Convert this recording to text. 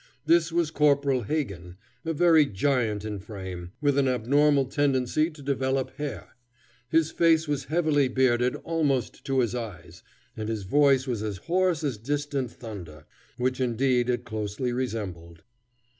This was Corporal Hagan, a very giant in frame, with an abnormal tendency to develop hair. His face was heavily bearded almost to his eyes, and his voice was as hoarse as distant thunder, which indeed it closely resembled.